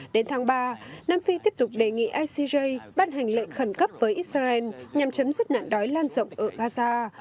đến tháng ba nam phi tiếp tục đề nghị icj ban hành lệnh khẩn cấp với israel nhằm chấm dứt nạn đói lan rộng ở gaza